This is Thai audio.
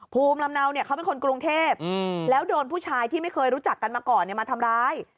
ภูมิลำเนาเนี่ยเขาเป็นคนกรุงเทพแล้วโดนผู้ชายที่ไม่เคยรู้จักกันมาก่อนมาทำร้าย